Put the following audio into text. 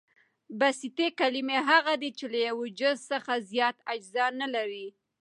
بسیطي کلیمې هغه دي، چي له یوه جز څخه زیات اجزا نه لري.